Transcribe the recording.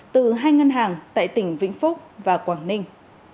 từ hai ngân hàng tại tỉnh vĩnh phúc và quảng ninh